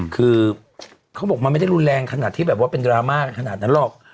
คือเขาบอกมันไม่ได้รุนแรงขนาดที่แบบว่าเป็นดราม่ากันขนาดนั้นหรอก